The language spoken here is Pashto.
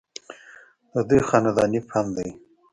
ددوي خانداني فن دے